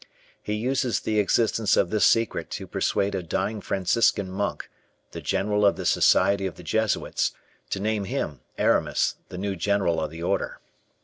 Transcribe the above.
He uses the existence of this secret to persuade a dying Franciscan monk, the general of the society of the Jesuits, to name him, Aramis, the new general of the order.